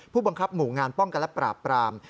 ผู้บังคับหมู่งานป้องกันและปราบปราม